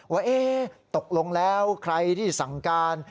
ว่าตกลงแล้วใครที่สั่งการ